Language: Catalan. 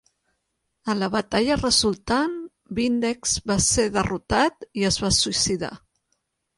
En la batalla resultant, Vindex va ser derrotat i es va suïcidar.